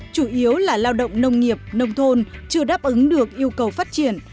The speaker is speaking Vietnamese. chủ yếu là lao động nông nghiệp nông thôn chưa đáp ứng được yêu cầu phát triển